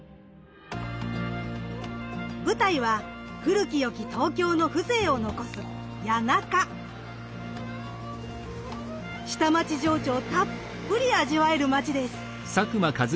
舞台は古き良き東京の風情を残す下町情緒をたっぷり味わえる街です。